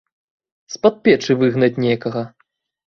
З-пад печы выгнаць некага.